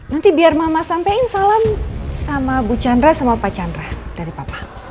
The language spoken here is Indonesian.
nanti biar mama sampaikan salam sama bu chandra sama pak chandra dari papa